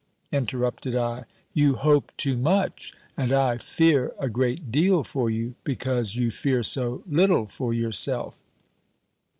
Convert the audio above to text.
_" interrupted I. "You hope too much; and I fear a great deal for you, because you fear so little for yourself.